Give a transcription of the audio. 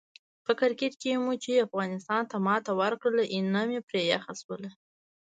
په کرکیټ کې مو چې پاکستان ته ماتې ورکړله، ینه مې پرې یخه شوله.